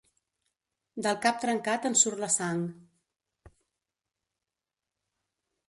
Del cap trencat en surt la sang.